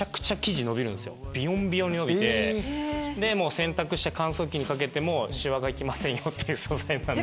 洗濯して乾燥機にかけてもシワが行きませんよっていう素材なんで。